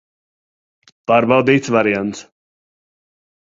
Pārbaudīts variants.